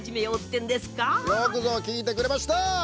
よくぞきいてくれました！